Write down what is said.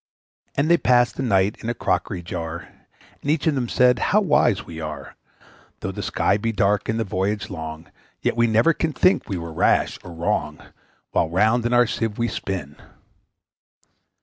And they passed the night in a crockery jar, And each of them said, `How wise we are! Though the sky be dark, and the voyage be long, Yet we never can think we were rash or wrong, While round in our Sieve we spin!'